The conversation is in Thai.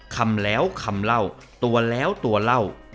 คำแล้วคำเล่าตัวแล้วตัวเล่า